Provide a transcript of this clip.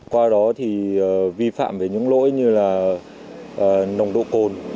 qua đó thì vi phạm về những lỗi như là nồng độ cồn